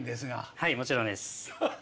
はいもちろんです。